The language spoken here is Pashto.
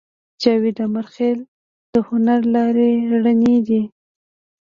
جاوید امیرخېل د هنر لارې رڼې دي